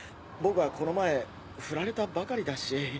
僕はこの前フラれたばかりだし。